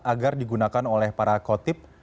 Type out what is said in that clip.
agar digunakan oleh para kotip